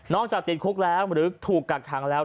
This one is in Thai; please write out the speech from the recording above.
จากติดคุกแล้วหรือถูกกักขังแล้ว